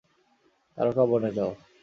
তারকা বনে যাও।